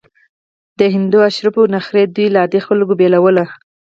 د هندو اشرافو نخرې دوی له عادي خلکو بېلول.